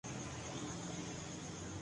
بڑے تو اس کام میں مہارت رکھتے تھے۔